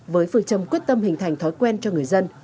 với phương châm quyết tâm hình thành thói quen cho người dân